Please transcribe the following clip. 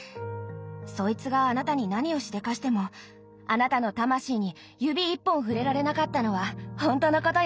そいつがあなたに何をしでかしてもあなたの魂に指一本触れられなかったのはほんとのことよ。